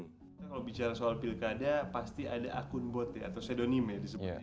kalau bicara soal pilkada pasti ada akun bot ya atau pseudonim ya disebutnya